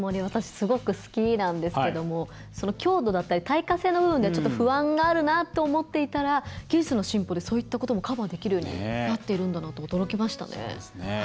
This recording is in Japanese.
すごく好きなんですけどその強度だったり耐火性の部分で不安があるなと思っていたら技術の進歩でそういったこともカバーできるんだなと驚きましたね。